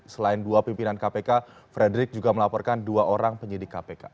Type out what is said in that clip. selain dua pimpinan kpk frederick juga melaporkan dua orang penyidik kpk